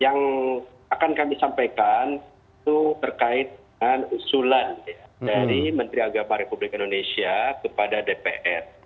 yang akan kami sampaikan itu terkait dengan usulan dari menteri agama republik indonesia kepada dpr